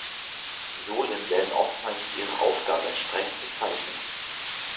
Sohlen werden oftmals ihrer Aufgabe entsprechend bezeichnet.